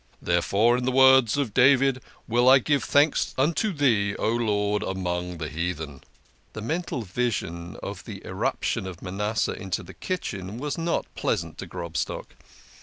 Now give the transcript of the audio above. Therefore, in the words of David, will I give thanks unto Thee, O Lord, among the heathen." The mental vision of the irruption of Manasseh into the kitchen was not pleasant to Grobstock.